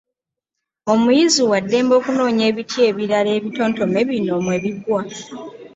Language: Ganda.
Omuyizi wa ddembe okunoonya ebiti ebirala ebitontome bino mwe bigwa.